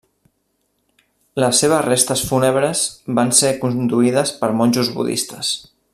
Les seves restes fúnebres van ser conduïdes per monjos budistes.